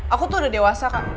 aku tuh udah dewasa kak